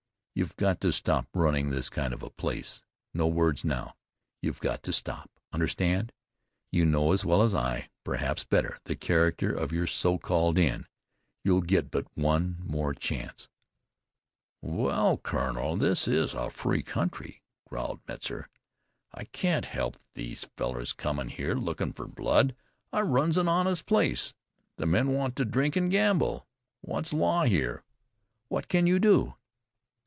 You've got to stop running this kind of a place. No words, now, you've got to stop. Understand? You know as well as I, perhaps better, the character of your so called inn. You'll get but one more chance." "Wal, kunnel, this is a free country," growled Metzar. "I can't help these fellars comin' here lookin' fer blood. I runs an honest place. The men want to drink an' gamble. What's law here? What can you do?"